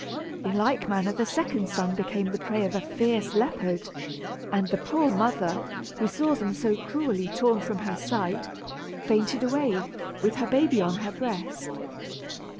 In like manner the second son became the prey of a fierce leopard; and the poor mother, who saw them so cruelly torn from her sight, fainted away, with her baby on her breast.